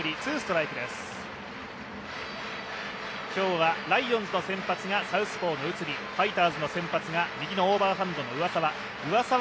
今日はライオンズの先発がサウスポーの内海ファイターズの先発が右のオーバーハンドの上沢。